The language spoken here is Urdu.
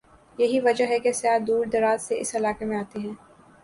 یہی وجہ ہے کہ سیاح دور دراز سے اس علاقے میں آتے ہیں ۔